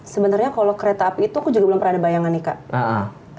sebenarnya kalau kereta api itu aku juga belum pernah bayangan nih kak